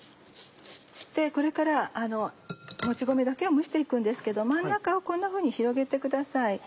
でこれからもち米だけを蒸して行くんですけど真ん中をこんなふうに広げてください。